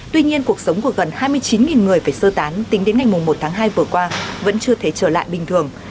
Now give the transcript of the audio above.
tuy nhiên cuộc sống của gần hai mươi chín người phải sơ tán tính đến ngày một tháng hai vừa qua vẫn chưa thể trở lại bình thường